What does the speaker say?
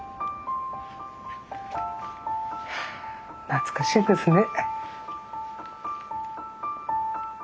懐かしいですね。